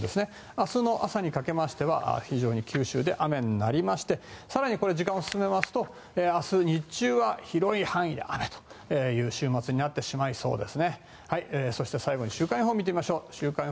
明日の朝にかけましては九州で非常に強い雨になりまして更に時間を進めますと明日日中は広い範囲で雨という週末になってしまいそうです。